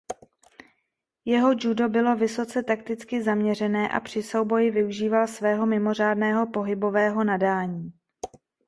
Jeho judo bylo vysoce takticky zaměřené a při souboji využíval svého mimořádného pohybového nadání.